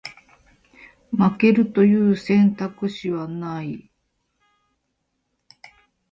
負けるという選択肢はない